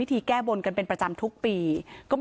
เพราะพ่อเชื่อกับจ้างหักขาวโพด